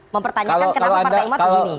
mempertanyakan kenapa partai umat begini